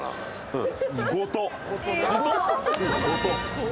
うん。